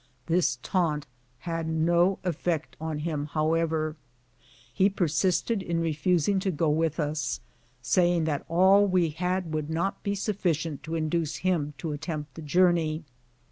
This taunt had no effect upon him, however. He persisted in refusing to go with us, saying that all we had would not be sufficient to induce him to attempt the journey.